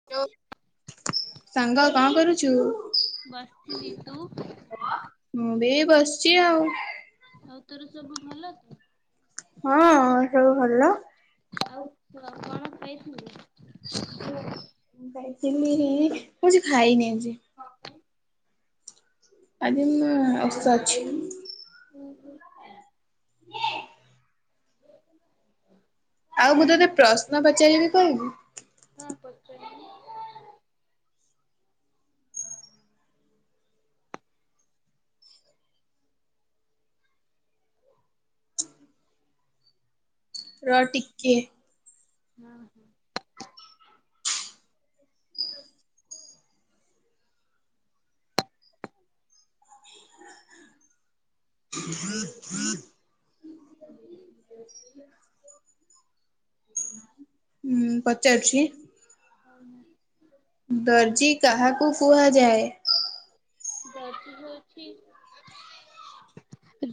[unintelligible] ସାଙ୍ଗ କଣ କରୁଛୁ? ବସିଲି ତୁ। ମୁଁ ଆଉ ତୋର ସବୁ ଭଲ ତ। ହଁଅ ସବୁ ଭଲ। ଆଉ [inaudible] କଣ [inaudible] ଖାଇଥିଲୁ? ମୁଁ ଯାଇଥିଲିଇ। ମୁଁ କିଛି ଖାଇନି ଆଜି। କଣ ପାଇଁ? ଆଜି ନୁହେଁ ଓଷା ଅଛି। ଓହୋ। ଆଉ ମୁଁ ତୋତେ ପ୍ରଶ୍ନ ପଚାରିବି କହିବୁ? ହଁ ପଚାରୁନୁ? ର ଟିକିଏ। [unintelligible] [inaudible] ଉଁ ପଚାରୁଛି? [inaudible] ଦର୍ଜି କାହାକୁ କୁହାଯାଏ? ଦର୍ଜି ହଉଛି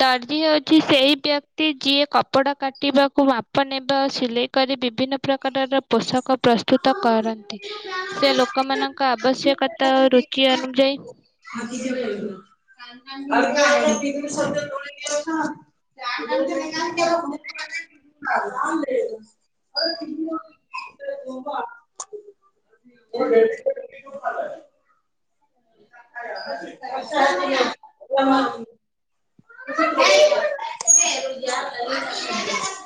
ଦର୍ଜୀ ହଉଛି ଜି ସେହି ବ୍ୟକ୍ତି ଯିଏ କପଡ଼ା କାଟିବାକୁ, ମାପ ନେବା, ସିଲେଇ କରି ବିଭିନ୍ନ ପ୍ରକାରର ପୋଷକ ପ୍ରସ୍ତୁତ କରନ୍ତି। ସେ ଲୋକମାନଙ୍କ ଆବଶ୍ୟକ ତ ରୁଚି ଅନୁଯାୟୀ [inaudible] [unintelligible] [inaudible] କୋଢ଼େ? [inaudible] [inaudible] ଏ ନନା [inaudible] [inaudible]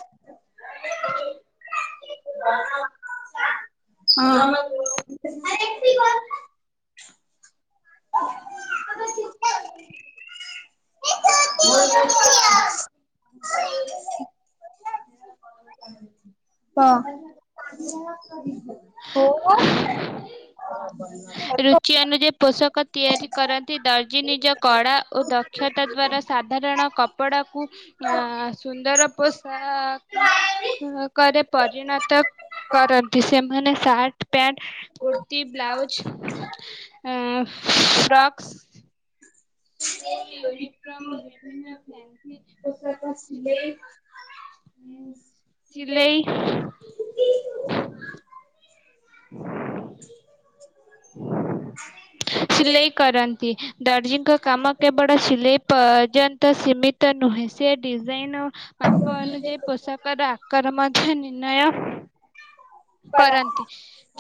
[inaudible] ହଁ। [inaudible] [inaudible] [inaudible] [inaudible] କ। [inaudible] ରୁଚି ଅନୁ [unintelligible] ପୋଷକ ତିଆରି କରନ୍ତି। ଦର୍ଜି ନିଜ କଳା ଓ ଦକ୍ଷତା ଦ୍ଵାରା ସାଧାରଣ କପଡ଼ାକୁ ଆ ସୁନ୍ଦର ପୋଷା କରେ ପରିଣତ କରନ୍ତି। ସେମାନେ ସାର୍ଟ ପ୍ୟାଣ୍ଟ କୁର୍ତ୍ତି, ବ୍ଲାଉଜ୍ ଅ ଫ୍ରକ୍ସ୍ ୟୁନିଫର୍ମ [inaudible] ବିଭିନ୍ନ ଫ୍ୟାନ୍ସି ପୋଷାକ ସିଲେଇ ଚିଲେଇ [inaudible] [inaudible] ସିଲେଇ କରନ୍ତି। ଦର୍ଜିଙ୍କ କାମ କେବଳ ସିଲେଇ ପର୍ଯ୍ୟନ୍ତ ସୀମି ତ ନୁହେଁ। ସେ ଡିଜାଇନ୍ ମାପ ଅନୁଯାୟୀ ପୋଷାକର ଆକାର ମଧ୍ୟ ନିର୍ଣ୍ଣୟ ର କରନ୍ତି।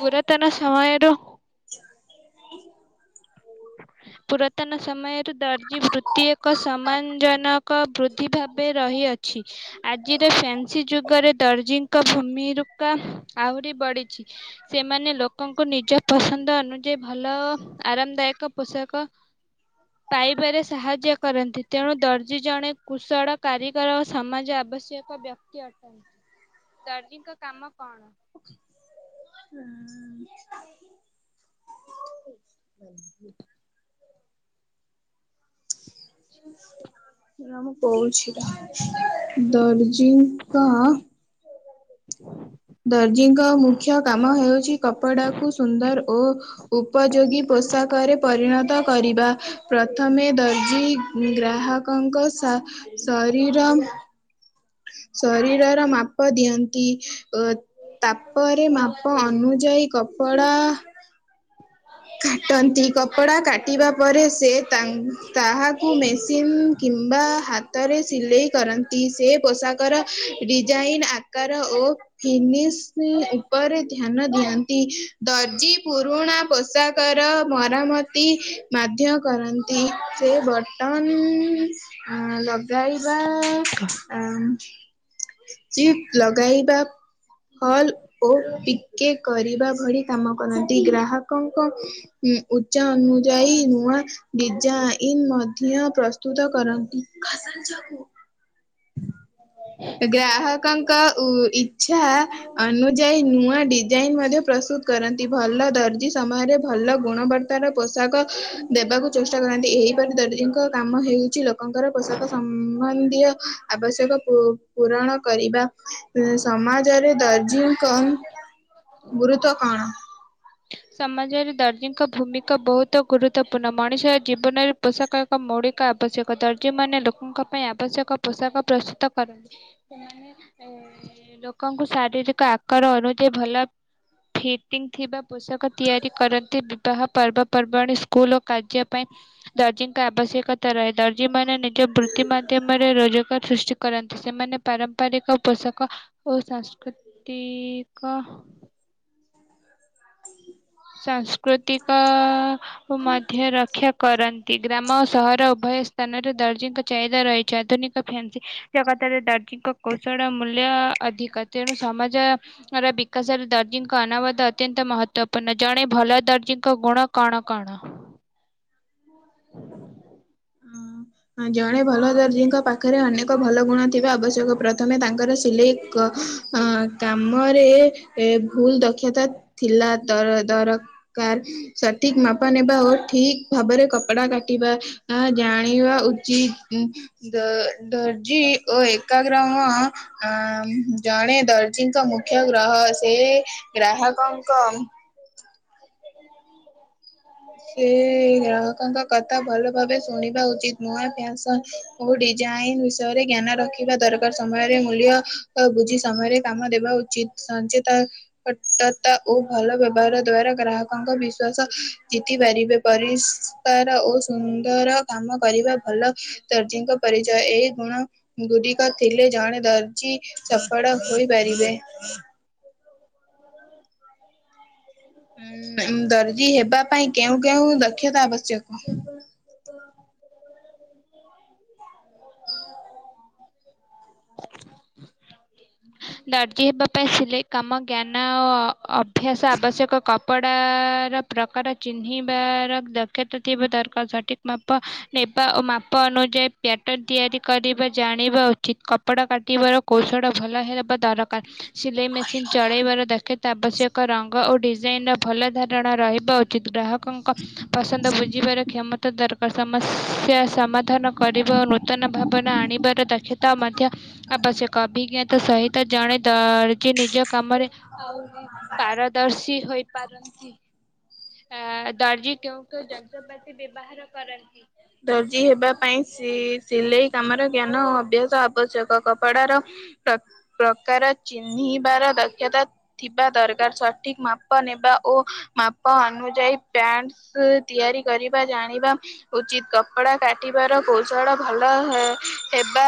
ପୁରାତନ ସମୟରୁ ପୁରାତନ ସମୟରୁ ଦର୍ଜି ବୃତ୍ତି ଏକ ସମାନ ଜନକ ବୃ ତ୍ତି ଭାବେ ରହିଅଛି। ଆଜିର ଫ୍ୟାନ୍ସି ଯୁଗରେ ଦର୍ଜିଙ୍କ ଭୂମି ରୁକା ଆହୁରି ବଢିଛି। ସେମାନେ ଲୋକଙ୍କୁ ନିଜ ପସନ୍ଦ ଅନୁଯାୟୀ ଭଲ ଆରାମ ଦାୟକ ପୋଷାକ ହ ପାଇବାରେ ସାହାଯ୍ୟ କରନ୍ତି। ତେଣୁ ଦର୍ଜି ଜଣେ କୁଶଳ କାରିଗର ଓ ସମାଜ ଆବଶ୍ୟକ ବ୍ୟ ଦର୍ଜିଙ୍କ କାମ କଣ? [inaudible] ଅଦ୍ଭୁତ୍। ର ମୁଁ କହୁଛି ରହ। ଦର୍ଜିଙ୍କ ମୁଖ୍ୟ କାମ ହେଉଛି କପଡାକୁ ସୁନ୍ଦର ଓ ଉପଯୋଗୀ ପୋଷାକରେ ପରିଣତ କରିବା। ପ୍ରଥମେ ଦର୍ଜି ଗ୍ରାହକ ଲୋକଙ୍କ ଶରୀର ଶରୀରର ମାପ ଦିଅନ୍ତି। ଏ ତା ପରେ ମାପ ଅନୁଯାୟୀ କପଡ଼ା କାଟନ୍ତି। କପଡ଼ା କାଟିବା ପରେ, ସେ ତାଙ୍କ୍ ତାହାକୁ ମେସିନ୍ କିମ୍ବା ହାତରେ ସିଲେଇ କରନ୍ତି, ସେ ପୋଷାକର ଡିଜାଇନ ଆକାର ଓ ଫିନିସ୍ ଉପରେ ଧ୍ୟାନ ଦିଅନ୍ତି। ଦର୍ଜି ପୁରୁଣା ପୋଷାକର ମରାମତି ମଧ୍ୟ କରନ୍ତି। ସେ ବଟମ୍ ଅ ଲଗାଇବା। [unintelligible] ଲଗାଇବା ହଲ ଓ ପିକେ କରିବା ଭଳି କାମ କରନ୍ତି ଗ୍ରାହକଙ୍କ ଉଁ ଉଚ୍ଚା ଅନୁଯାୟୀ ନୂଆ ଦିଯ୍ୟ ଇଂ ମଧ୍ୟ ପ୍ରସ୍ତୁତ କରନ୍ତି [unintelligible] ଗ୍ରାହକଙ୍କ ଉ ଇଚ୍ଛା ଅନୁଯାୟୀ ନୂଆ ଡିଜାଇନ ମଧ୍ୟ ପ୍ରସ୍ତୁତ କରନ୍ତି ଭଲ ଦର୍ଜି ସମୟରେ ଭଲ ଗୁଣବର୍ତ୍ ପୋଷାକ ଦେବାକୁ ଚେଷ୍ଟା କରନ୍ତି ଏହିପରି ଦୈଙ୍କ କାମ ହେଉଛି ଲ ଲୋକଙ୍କର ପୋଷାକ ସମ୍ବନ୍ଧୀୟ ଆବଶ୍ୟକ କୁ ପୂରଣ କରିବା ସମାଜରେ ଦର୍ଜଙ୍କ ଗୁରୁତ୍ୱ କଣ? ସମାଜରେ ଦର୍ଜଙ୍କ ଭୂମିକା ବହୁତ ଗୁରୁତ୍ୱପୂର୍ଣ୍ଣ ମଣିଷର ଜୀବନରେ ପୋଷାକ ମୌଳିକ ଆବଶ୍ୟକ ଦର୍ଜ ମାନ ଲୋକଙ୍କ ପାଇଁ ଆବଶ୍ୟକ ପୋଷାକ ପ୍ରସ୍ତୁତ କରନ୍ତି। ସେମାନେ ଲୋକଙ୍କୁ ଶାରୀରିକ ଆକାର ଅନୁଯାୟୀ ଭଲ ଫିଟିଙ୍ଗ ଥିବା ପୋଷାକ ତିଆରି କରନ୍ତି ବିବାହ ପର୍ବପର୍ବାଣି ସ୍କୁଲ ଓ କାର୍ଯ୍ୟ ପାଇଁ ଆବଶ୍ୟକତା ରହେ ଦର୍ଜି ମାନେ ନିଜ ବୃତ୍ତି ମାଧ୍ୟମରେ ରୋଜଗାର ସୃଷ୍ଟି କରନ୍ତି। ସେମାନେ ପାରମ୍ପରିକ ପୋଷାକ ଓ ସାଂସ୍କୃତିକ ସାଂସ୍କୃତିକ ମଧ୍ୟ ରକ୍ଷା କରନ୍ତି ଗ୍ରାମ ଓ ସହର ଉଭୟ ସ୍ଥାନରେ ଦର୍ଜିଙ୍କ ଚାହିଦା ରହିଛି ଆଧୁନିକ ଫ୍ୟାନ୍ସି ଜଗତରେ ଦର୍ଜଙ୍କ କୌଶଳ ମୂଲ୍ୟ ଅଧିକ ତେଣୁ ସମାଜ ବିକାଶରେ ଦର୍ଜଙ୍କ ଅନାବାଧ ଅତ୍ୟନ୍ତ ମହତଵ। ତ ନ ଜଣେ ଭଲ ଦାର୍ଜୀଙ୍କ ଗୁଣ କଣ କଣ? ହ ଜଣେ ଭଲ ଦର୍ଜିୀଙ୍କ ପାଖରେ ଅନେକ ଭଲ ଗୁଣ ଥିବା ଆବଶ୍ୟକ ପ୍ରଥମେ ତାଙ୍କର ସିଲେଇ କ ହଁ କାମରେ ଏ ଭୁଲ ଦକ୍ଷତା ଥିଲା ତର ତର- କାର ସଠିକ ମାପା ନେବା ଓ ଠିକ ଭାବରେ କ କପଡା କାଟିବା ଆ ଜାଣିବା ଉଚିତ। ଦ ଦର୍ଜି ଓ ଏକା ଗ୍ରାମ ଆ ଜଣେ ଦର୍ଜଙ୍କ ମୁଖ୍ୟ ଗ୍ରହ ସେ ଗ୍ରାହକଙ୍କ ସେ ଗ୍ରାହକଙ୍କ କଥା ଭଲ ଭାବେ ଶୁଣିବା ଉଚିତ ନୂଆ ଫ୍ୟା ଓ ଡିଜାଇନ ବିଷୟରେ ଜ୍ଞାନ ରଖିବା ଦରକାର ସମୟରେ ମୂଲ୍ୟ ବୁଝି ସମୟରେ କାମ ଦେବା ଉଚିତ୍। ସଚେତଟତା ଓ ଭଲ ବ୍ୟବହାର ଦ୍ଵାରା ଗ୍ରାହକଙ୍କ ବିଶ୍ଵାସ ଜିତି ପାରିବେ ପରିଷ୍କାର ଓ ସୁନ୍ଦର କାମ କରିବା ଭଲ। ଦର୍ଜୀଙ୍କ ପରିଚୟ ଏଇ ଗୁଣ ଗୁଡିକ ଥିଲେ ଜଣେ ଦର୍ଜି ସଫଳ ହୋଇପାରିବେ। ଦର୍ଜି ହେବା ପାଇଁ କେଉଁ କେଉଁ ଦକ୍ଷତା ଆବଶ୍ୟକ? ଦର୍ଜି ହେବା ପାଇଁ ସିଲେଇ କାମ, ଜ୍ଞାନ ଓ ଅଭ୍ୟାସ ଆବଶ୍ୟକ କପଡ଼ା ର ପ୍ରକାର ଚିହ୍ନିବାର ଦକ୍ଷତା ଥିବା ଦରକାର ସଠିକ ମାପ ନେବା ଓ ମାପ ଅନୁଯାୟୀ ପ୍ୟାଟନ୍ ତିଆରି କରିବା ଜାଣିବା ଉଚିତ କପଡ଼ା କାଟିବାର କୌଶଳ ଭଲ ହେବା ଦରକାର। ସିଲେଇ ମେସିନ୍ ଚଳେଇବାର ଦକ୍ଷତା ଆବଶ୍ୟକ ରଙ୍ଗ ଓ ଡିଜାଇନର ଭଲ ଧାରଣା ରହିବା ଉଚିତ୍। ଗ୍ରାହକ କଙ୍କ ପସନ୍ଦ ବୁଝିବାର କ୍ଷମତା ଦରକା ସମସ୍ୟା ସମାଧାନ କରିବ ଓ ନୂତନ ଭାବନା ଆଣିବାର ଦକ୍ଷତା ମଧ୍ୟ ଆବଶ୍ୟକ ଅଭିଜ୍ଞତା ସହି ତ ଜଣେ ଦର୍ଜି ନିଜ କାମରେ ଆହୁରି ପାରଦର୍ଶୀ ହୋଇପାରନ୍ତି। [inaudible] ଆ ଦର୍ଜି କେଉଁ କେଉଁ ଯନ୍ତ୍ରପାତି ବ୍ୟବହାର କରନ୍ତି? ଦର୍ଜି ହେବା ପାଇଁ ସି ସିଲେଇ କାମର ଜ୍ଞାନ ଅଭ୍ୟାସ ଆବଶ୍ୟକ କପଡ଼ାର ପ୍ର ପ୍ରକାର ଚିହ୍ନିବାର ଦକ୍ଷତା ଥିବା ଦରକାର ସଠିକ ମାପ ନେବା ଓ ମାପ ଅନୁଯାୟୀ ପ୍ୟାଣ୍ଟ ସେ ତିଆରି କରିବା ଜାଣିବା ଉଚିତ କପଡ଼ା କାଟିବାର ପୋଶଣ ଭଲ ହେ ହେବା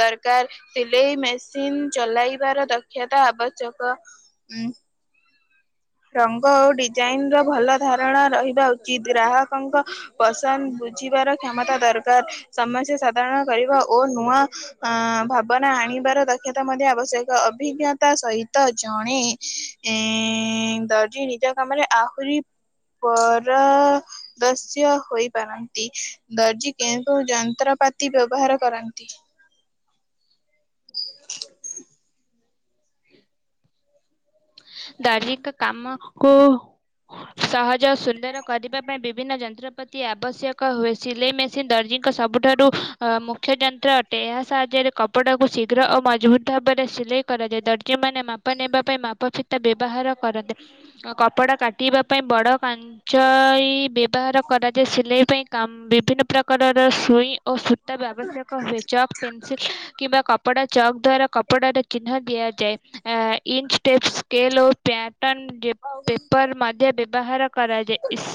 ଦରକାର। ସିଲେଇ ମେସିନ ଚଲାଇବାର ଦକ୍ଷତା ଆବଶ୍ୟକ। ରଙ୍ଗ ଓ ଡିଜାଇନର ଭଲ ଧାରଣା ରହିବା ଉଚିତ ଗ୍ରାହକଙ୍କ ପସନ୍ଦ ବୁଝିବାର କ୍ଷମତା ଦରକାର ସମସ୍ୟା ସାଧାରଣ କରିବା ଓ ନୂଆ ଅଁ ଭାବନା ଆଣିବାର ଦକ୍ଷତା ମଧ୍ୟ ଆବଶ୍ୟକ ଅଭିଜ୍ଞତା ସହିତ ଜଣେ ଏଁ ଦର୍ଜି ନିଜ କାମରେ ଆହୁରି ପରଦସ୍ୟ ହୋଇ ପାରନ୍ତି ଦର୍ଜି କେଉଁ କେଉଁ ଯନ୍ତ୍ରପାତି ବ୍ୟବହାର କରନ୍ତି? ହୁଁ। ଦାର୍ଜି ତ କାମକୁ ସହଜ ଓ ସୁନ୍ଦର କରିବା ପାଇଁ ବିଭିନ୍ନ ଯନ୍ତ୍ରପାତି ଆବଶ୍ୟକ ହୁଏ ସିଲେଇ ମେ ସିନ ଦର୍ଜଙ୍କ ସବୁଠାରୁ ଅ ମୁଖ୍ୟ ଯନ୍ତ୍ର ଅଟେ ଏହା ସାହାଯ୍ୟରେ କପଡ଼ାକୁ ଶୀଘ୍ର ଓ ମଜଭୁତ ଭାବରେ ସିଲେଇ କରାଯାଏ ଦର୍ଜିମାନେ ମାପ ନେବା ପାଇଁ ମାପ ଫି ତା ବ୍ୟବହାର କରନ୍ତେ ଓ କପଡ଼ା କାଟିବା ପାଇଁ ବଡ଼ କାନ୍ ଚ ବ୍ୟବହାର କରାଯାଏ ସିଲେଇ ପାଇଁ କାମ ବିଭିନ୍ନ ପ୍ରକାରର ସୁଇ ଓ ସୁତା ବି ଆବଶ୍ୟକ ହୁଏ ଚକ ପେନସିଲ୍ କିମ୍ବା କ କପଡ଼ା ଚକ୍ ଦ୍ଵାରା କପଡ଼ାରେ ଚିହ୍ନ ଦିଆଯାଏ ଆ ଇଞ୍ଚଟେପ୍ସ ସ୍କେଲ ଓ ପ୍ୟାଟର୍ନ୍ ଯେ ପେପର୍ ମଧ୍ୟ ବ୍ୟବହାର କରାଯାଏ ଈସ୍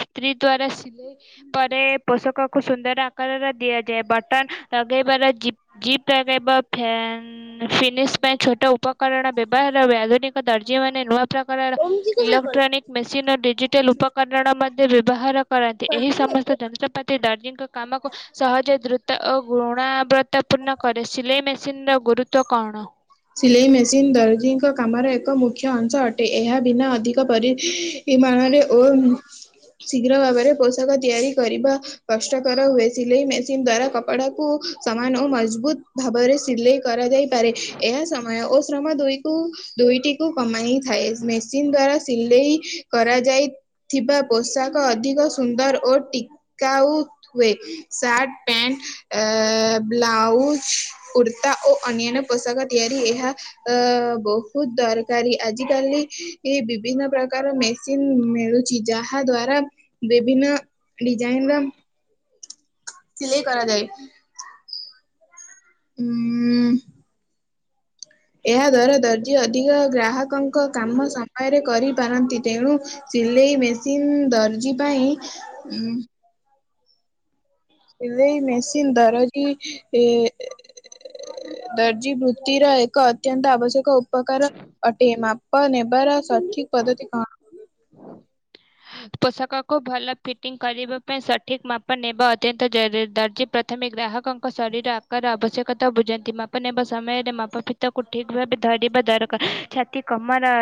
ସ୍ତ୍ରୀ ଦ୍ଵାରା ସିଲେଇ ପରେ ପୋଷକକୁ ସୁନ୍ଦର ଆକାରରେ ଦିଆ ଦିଏ ବଟନ ଲଗେଇବାର ଜିପ୍ ଜିପ ଲଗେଇବ ଫ୍ୟାନ ଫିନିଶ ପାଇଁ ଛୋଟ ଉପକରଣ ବ୍ୟବହାର ହୁଏ ଆଧୁନିକ ଦର୍ଜିମାନେ ନୂଆ ପ୍ରକାରର ଇଲେକ୍ଟ୍ରୋନିକ୍ ମେସିନର ଡିଜିଟାଲ ଉପକରଣ ମଧ୍ୟ ବ୍ୟବହାର କରନ୍ତି ଏହି ସମସ୍ତ ଯନ୍ତ୍ରପାତି ଦର୍ଜିଙ୍କ କାମକୁ ସହଜ ଦ୍ରୁତ ଓ ଗୁଣାବ୍ରତ୍ତାପୂର୍ଣ୍ଣ କରେ ସିଲେଇ ମେସିନର ଗୁରୁତ୍ୱ କଣ? ସିଲେଇ ମେସିନ୍ ଦର୍ଜିଙ୍କ କାମର ଏକ ମୁଖ୍ୟ ଅଂଶ ଅଟେ ଏହା ବିନା ଅଧିକ ପରି ସୀମା ମାନେ ଓ ଶୀଘ୍ର ଭାବରେ ପୋଷାକ ତିଆରି କରିବା କଷ୍ଟକର ହୁଏ ସିଲେଇ ମେସିନ ଦ୍ଵାରା କପଡାକୁ ସମାନ ଓ ମଜବୁତ ଭାବରେ ସ୍ ସିଲେଇ କରାଯାଇପାରେ ଏହା ସମୟ ଓ ଶ୍ରମ ଦୁଇକୁ ଦୁଇଟିକୁ କମାଇ ଥାଏ ମେସିନ ଦ୍ଵାରା ସିଲେଇ କରାଯାଇ ଥିବା ପୋଷାକ ଅଧିକ ସୁନ୍ଦର ଓ ଟିକାଉ ହୁଏ ଶାର୍ଟ ପ୍ୟାଣ୍ଟ ଏ ବ୍ଲାଉଜ କୁର୍ତ୍ତା ଓ ଅନ୍ୟାନ୍ୟ ପୋଷାକ ତିଆରି ଏହା ଅ ବୋହୁତ୍ ଦରକାରୀ ଆଜିକାଲି ବିଭିନ୍ନ ପ୍ରକାର ମେସି ଯିନ ମିଳୁଚି ଯାହା ଦ୍ଵାରା ବିଭିନ୍ନ ଡିଜାଇନର ସିଲେଇ କରାଯାଏ। ହୁଁ। ଏହା ଦ୍ଵାରା ଦର୍ଜି ଅଧିକ ଗ୍ରାହକଙ୍କ କାମ ସମୟରେ କରିପାରନ୍ତି ତେଣୁ ସିଲେଇ ମେସିନ୍ ଦର୍ଜି ପାଇଁ ସେଲେଇ ମେସିନ୍ ଦରଦି ଏ ଦର୍ଜି ବୃତ୍ତିର ଏକ ଅତ୍ୟନ୍ତ ଆବଶ୍ୟକ ଉପକାର ଅଟେ। ମାପ ନେବାର ସଠିକ୍ ପଦ୍ଧତି କଣ? ପୋଷାକକୁ ଭଲ ଫିଟିଂ କରିବା ପାଇଁ ସଠିକ୍ ମାପ ନେବା ଅତ୍ୟନ୍ତ ଜଦ ଦର୍ଜି ପ୍ରଥମେ ଗ୍ରାହକଙ୍କ ଶରୀର ଆକାର ଆବଶ୍ୟକତା ବୁଝନ୍ତି ମାପ ନେବା ସମୟରେ ମାପ ଫି ତା କୁ ଠିକ୍ ଭାବରେ ଧରିବା ଦରକାର ଛାତି କମର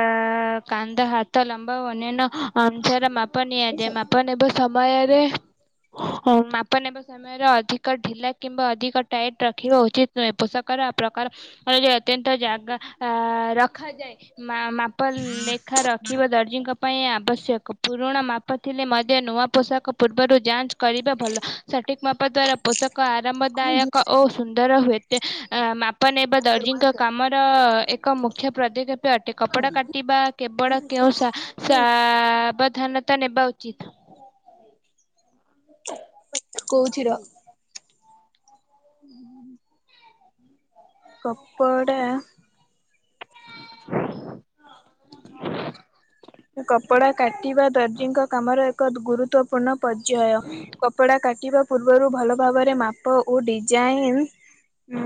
କାନ୍ଦ ହା ତ ଲମ୍ବା ଓ ଆନ୍ୟନ ଜାର ମାପା ନିଆଯାଏ ମାପା ନବା ସମୟରେ ହଁ ମାପ ନେବା ସମୟରେ ଅଧିକ ଢିଲା କିମ୍ବା ଅଧିକ ଟାଇଟ୍ ରଖିବା ଉଚିତ ନୁହେଁ ପୋଷାକର ପ୍ରକାର ଯ ଅତ୍ୟନ୍ତ ଜାଗା ଅ ରଖାଯାଏ। ମା ମାପ ଲେଖା ରଖିବା ଦର୍ଜିଙ୍କ ପାଇଁ ଆବଶ୍ୟକ ପୁରୁଣା ମାପ ଥିଲେ ମଧ୍ୟ ନୂଆ ପୋଷାକ ପୂର୍ବରୁ ଯାଞ୍ଚ କରିବା ଭଲ ସଠିକ୍ ମାପା ଦ୍ଵାରା ପୋଷକ ଖୋଲ ଆରାମଦାୟକ ଜୋରସେ, ଓ ସୁନ୍ଦର ହୁଏତ ଅ ମା ପ ନେବା ବନ୍ଦ କର ବନ୍ଦ ଦର୍ଜିଙ୍କ କର। କାମର ଏକ ମୁଖ୍ୟ ପଦକ୍ଷେପ ଅଟେ କପଡ଼ା କାଟିବା କେବଳ କେଉଁ ସା ସାବଧାନତା ନେବା ଉଚିତ୍ କୋଉଚି ର। କପଡ଼ା [inaudible] କପଡ଼ା କାଟିବା ଦର୍ଜିଙ୍କ କାମର ଏକ ଗୁରୁତ୍ତ୍ୱପୂର୍ଣ୍ଣ ପର୍ଯୟ। କପଡ଼ା କାଟିବା ପୂର୍ବରୁ ଭଲ ଭାବରେ ମାପ ଓ ଡିଜାଇନ୍ ଉ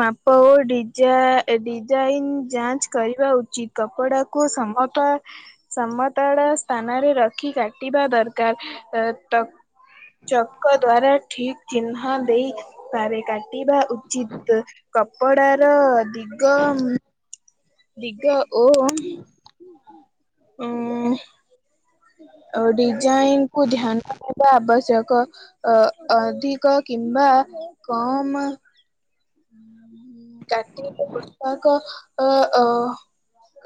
ମାପ ଓ ଡିଜାଇନ୍ ଯାଞ୍ଚ କରିବା ଉଚିତ୍। କପଡ଼ା କୁ ସମତା ସମତଳ ସ୍ଥାନରେ ରଖି କାଟିବା ଦରକାର୍ ଅ ତ ଚକ ଦ୍ଵାରା ଠିକ୍ ଚିହ୍ନ ଦେଇପାରେ କାଟିବା ଉଚିତ୍। କପଡ଼ାର ଦିଗ ଦିଗ ଓ ଉ ଅ ଡିଜାଇନ୍ କୁ ଧ୍ୟାନ ଦବା ଆବଶ୍ୟକ। ଅ ଅ ଅଧିକ କିମ୍ବା କମ୍ କାଟିବା ପୋଷାକ ଅ ଅ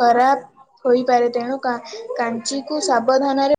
ଖରାପ୍ ହୋଇପାରେ, ତେଣୁ କା କାଞ୍ଚିକୁ ସାବଧାନରେ